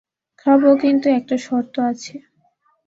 খাব, কিন্তু একটা শর্ত আছে।